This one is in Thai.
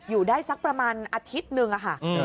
อยู่ได้สักประมาณอาทิตย์หนึ่งค่ะ